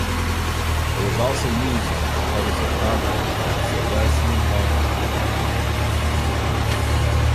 It was also used in a proposed orthography for the Silesian language.